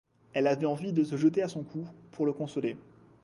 Elle avait envie de se jeter à son cou, pour le consoler.